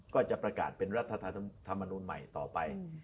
ก็จะประกาศเป็นรัฐธรรมนูลใหม่ต่อไป